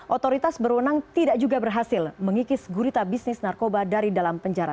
otoritas berwenang tidak juga berhasil mengikis gurita bisnis narkoba dari dalam penjara